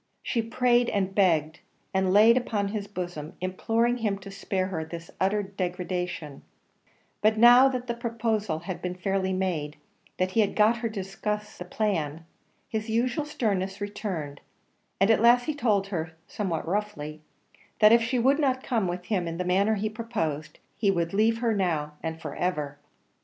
She prayed and begged, and lay upon his bosom imploring him to spare her this utter degradation; but now that the proposal had been fairly made, that he had got her to discuss the plan, his usual sternness returned; and at last he told her, somewhat roughly, that if she would not come with him in the manner he proposed, he would leave her now and for ever.